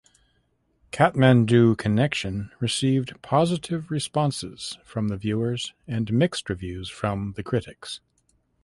Kathmandu Connection received positive responses from the viewers and mixed reviews from the critics.